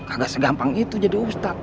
agak segampang itu jadi ustadz